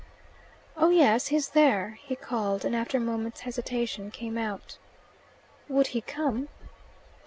"Oh yes, he's there," he called, and after a moment's hesitation came out. "Would he come?"